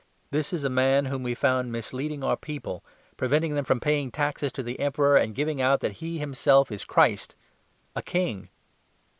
" This is a man whom we found misleading our people, preventing them from paying taxes to the Emperor, and giving out that he himself is ' Christ, a King.'"